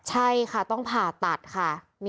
ใช่ค่ะต้องผ่าตัดค่ะ